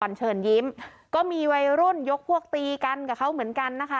เชิญยิ้มก็มีวัยรุ่นยกพวกตีกันกับเขาเหมือนกันนะคะ